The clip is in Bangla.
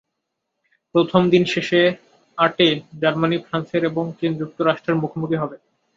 প্রথম দিন শেষ আটে জার্মানি ফ্রান্সের এবং চীন যুক্তরাষ্ট্রের মুখোমুখি হবে।